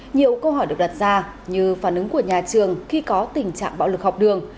nhiều câu hỏi được đặt ra như phản ứng của nhà trường khi có tình trạng bạo lực học đường